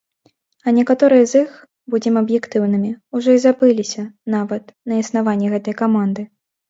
А некаторыя з іх, будзем аб'ектыўнымі, ужо і забыліся, нават, на існаванне гэтай каманды.